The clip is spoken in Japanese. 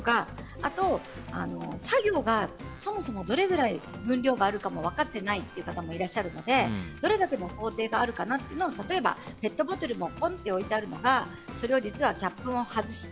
あと、作業がそもそもどれくらいの分量があるか分かっていない方もいるのでどれだけの工程があるかなっていうのを例えばペットボトルがポンって置いてあるのがそれもキャップを外して